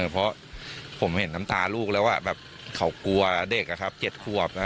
เพราะผมเห็นน้ำตาลูกแล้วเขากลัวเด็ก๗ขวบ